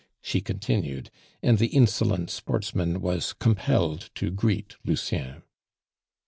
she continued, and the insolent sportsman was compelled to greet Lucien.